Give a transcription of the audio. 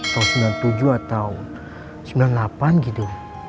tahun sembilan puluh tujuh atau sembilan puluh delapan gitu